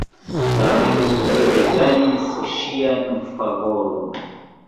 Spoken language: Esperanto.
Tamen li regajnis ŝian favoron.